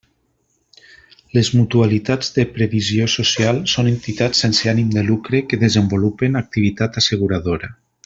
Les mutualitats de previsió social són entitats sense ànim de lucre que desenvolupen activitat asseguradora.